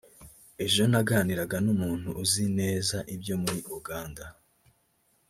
Ejo naganiraga n’umuntu uzi neza ibyo muri Uganda